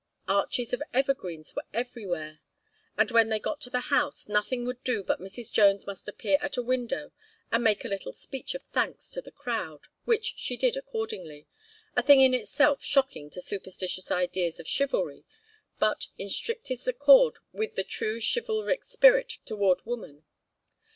Arches of evergreens were everywhere; and when they got to the house, nothing would do but Mrs. Jones must appear at a window and make a little speech of thanks to the crowd; which she did accordingly a thing in itself shocking to superstitious ideas of chivalry, but in strictest accord with the true chivalric spirit toward woman.